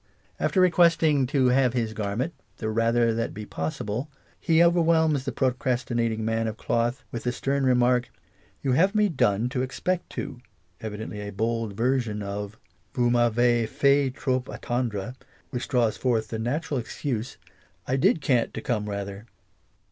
After requesting to have his garment " The rather that be possible," he overwhelms the procrastinating man of cloth with the stem remark " You have me done to expect too," evidently a bold version of " Vatis vi avez fait trap attendre^' which draws forth the natural excuse ''I did can't to come rather."